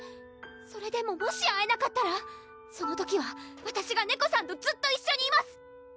それでももし会えなかったらその時はわたしがネコさんとずっと一緒にいます！